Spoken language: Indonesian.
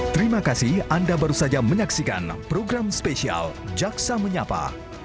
terima kasih anda baru saja menyaksikan program spesial jaksa menyapa